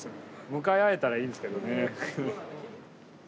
向かい合えたらいいんですけどね。